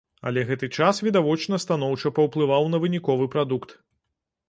Але гэты час відавочна станоўча паўплываў на выніковы прадукт.